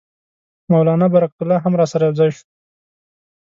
مولنا برکت الله هم راسره یو ځای شو.